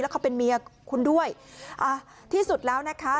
เขาเป็นเมียคุณด้วยอ่าที่สุดแล้วนะคะ